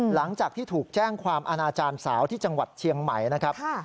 หลังจากที่ถูกแจ้งความอาณาจารย์สาวที่จังหวัดเชียงใหม่นะครับ